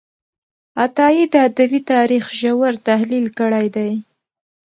عطايي د ادبي تاریخ ژور تحلیل کړی دی.